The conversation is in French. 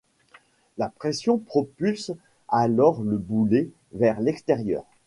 La pression propulse alors le boulet vers l'extérieur.